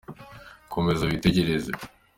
komeza witegereze.